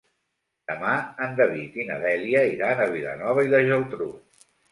Demà en David i na Dèlia iran a Vilanova i la Geltrú.